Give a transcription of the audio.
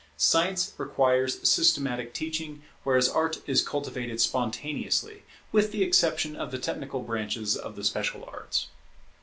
Science requires systematic teaching, whereas Art is cultivated spontaneously, with the exception of the technical branches of the special arts.